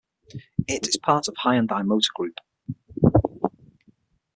It is part of Hyundai Motor Group.